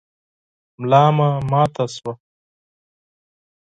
ملا مي ماته شوه .